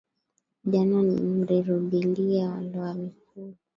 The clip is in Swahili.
Jana mirirudiliya lwa mikulu